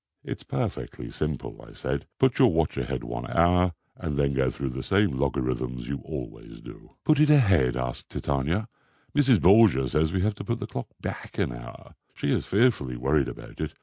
"It's perfectly simple," I said. "Put your watch ahead one hour, and then go through the same logarithms you always do." "Put it ahead?" asked Titania. "Mrs. Borgia says we have to put the clock back an hour. She is fearfully worried about it.